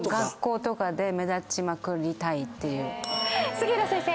杉浦先生。